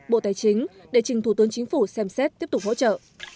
bộ tài chính để trình thủ tướng chính phủ xem xét tiếp tục hỗ trợ